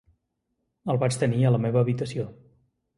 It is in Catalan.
El vaig tenir a la meva habitació.